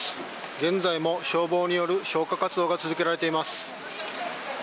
現在も消防による消火活動が続けられています。